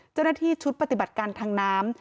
เจ้าหน้าที่ชุดปฏิบัติการทางน้ำ